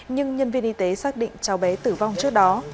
nhưng nhân viên y tế xác định cháu bé tử vong trước đó